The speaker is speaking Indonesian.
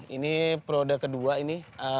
ini periode kedua ini